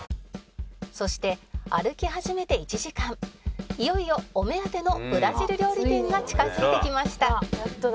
「そして歩き始めて１時間」「いよいよお目当てのブラジル料理店が近づいてきました」